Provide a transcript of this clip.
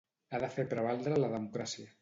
Ha de fer prevaldre la democràcia.